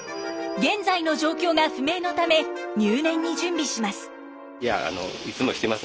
現在の状況が不明のため入念に準備します。